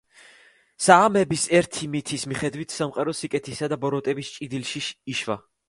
საამების ერთი მითის მიხედვით, სამყარო სიკეთისა და ბოროტების ჭიდილში იშვა.